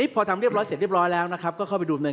พอทำเรียบร้อยเสร็จเรียบร้อยแล้วนะครับก็เข้าไปดูใน